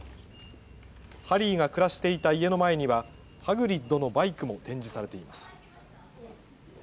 ハリーが暮らしていた家の前にはハグリッドのバイクも展示されています。